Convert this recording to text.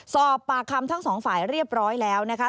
สอบปากคำทั้งสองฝ่ายเรียบร้อยแล้วนะคะ